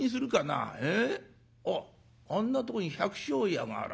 あっあんなとこに百姓家があら。